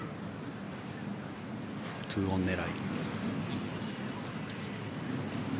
２オン狙い。